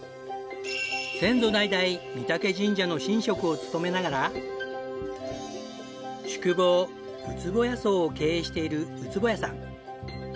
先祖代々御嶽神社の神職を務めながら宿坊うつぼや荘を経営している靭矢さん。